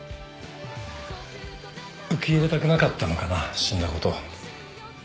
受け入れたくなかったのかな死んだこと。